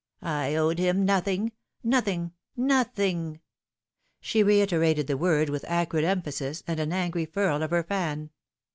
I owed him nothing nothing nothing !" She reiterated the word with acrid emphasis, and an angry furl of her fan.